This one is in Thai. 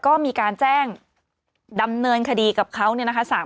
ก็มีการแจ้งดำเนินคดีกับเขาเนี่ยนะคะ